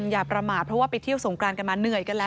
อย่าประมาทเพราะว่าไปเที่ยวสงกรานกันมาเหนื่อยกันแล้ว